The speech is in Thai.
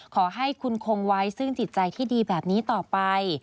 ขอให้คุณคงไว้ซึ่งจิตใจที่ดีแบบนี้ต่อไป